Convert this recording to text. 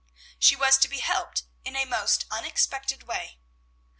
She was to be helped in a most unexpected way.